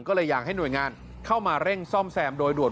ก็เลยอยากให้หน่วยงานเข้ามาเร่งซ่อมแซมโดยด่วน